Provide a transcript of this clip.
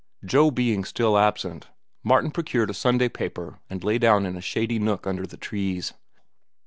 Joe being still absent, Martin procured a Sunday paper and lay down in a shady nook under the trees.